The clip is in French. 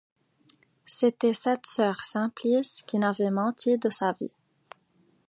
C'était cette soeur Simplice qui n'avait menti de sa vie.